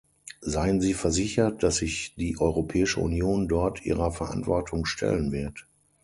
Seien Sie versichert, dass sich die Europäische Union dort ihrer Verantwortung stellen wird.